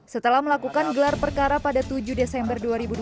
setelah melakukan gelar perkara pada tujuh desember dua ribu dua puluh